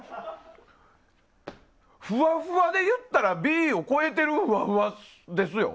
ふわふわで言ったらＢを超えてるふわふわですよ。